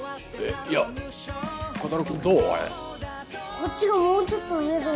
こっちがもうちょっと上ぞよ。